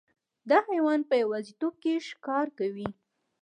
دا حیوان په یوازیتوب کې ښکار کوي.